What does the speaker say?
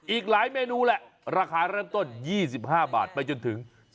อีกหลายเมนูแหละราคาเริ่มต้น๒๕บาทไปจนถึง